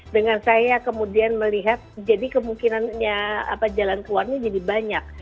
dengan saya kemudian melihat jadi kemungkinannya jalan keluarnya jadi banyak